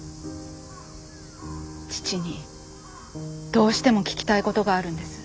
父にどうしても聞きたいことがあるんです。